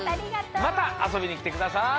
またあそびにきてください！